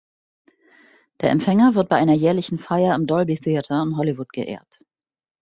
Der Empfänger wird bei einer jährlichen Feier im Dolby Theatre in Hollywood geehrt.